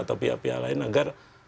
atau pihak pihak lain agar